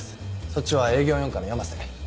そっちは営業四課の山瀬。